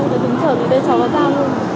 đứng chờ vì đây cháu có ra thôi